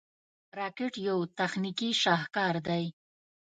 راکټ یو تخنیکي شاهکار دی